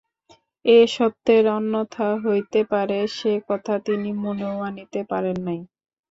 এ সত্যের অন্যথা হইতে পারে সে কথা তিনি মনেও আনিতে পারেন নাই।